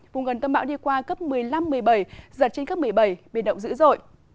vùng gần tâm bão đi qua cấp một mươi năm một mươi bảy giật trên cấp một mươi bảy biển động dữ dội